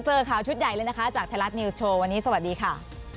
เรียกนายกไปก่อนนะคะ